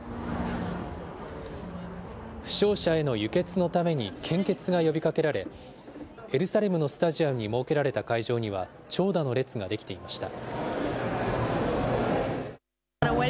負傷者への輸血のために献血が呼びかけられ、エルサレムのスタジアムに設けられた会場には、長蛇の列が出来ていました。